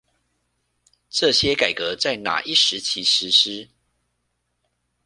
這些改革在那一時期實施